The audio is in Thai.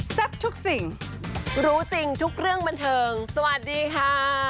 แซ่บทุกสิ่งรู้จริงทุกเรื่องบันเทิงสวัสดีค่ะสวัสดีค่ะ